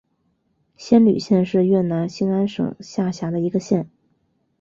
仙侣县是越南兴安省下辖的一个县。